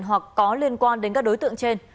hoặc có liên quan đến các đối tượng trên